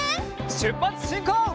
しゅっぱつしんこう！